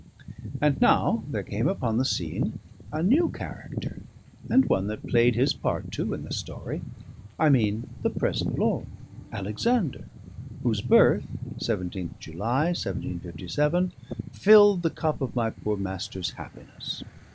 And now there came upon the scene a new character, and one that played his part, too, in the story; I mean the present lord, Alexander, whose birth (17th July 1757) filled the cup of my poor master's happiness.